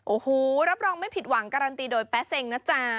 โอ้โหรับรองไม่ผิดหวังการันตีโดยแป๊เซ็งนะจ๊ะ